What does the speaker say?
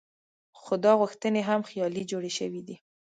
خو دا غوښتنې هم خیالي جوړې شوې دي.